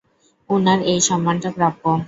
উনার এই সম্মানটা প্রাপ্য।